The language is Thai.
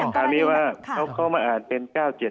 ตอนนี้ว่าเขามาอ่านเป็น๙๗๐๙